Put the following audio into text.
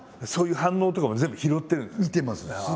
そういう反応とかも全部拾ってるんですね。